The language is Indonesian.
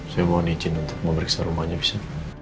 saya mohon izin untuk memeriksa rumahnya bisa